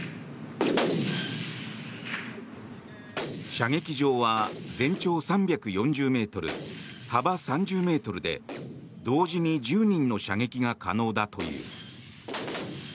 射撃場は全長３４０ｍ、幅３０ｍで同時に１０人の射撃が可能だという。